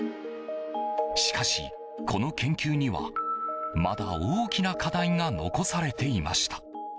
しかし、この研究にはまだ大きな課題が残されていました。